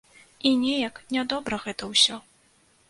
І неяк нядобра гэта ўсё.